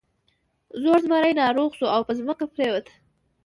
زوړ زمری ناروغ شو او په ځمکه پریوت.